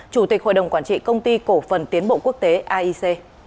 chủ tịch hội đồng quản trị công ty cổ phần tiến bộ quốc tế aic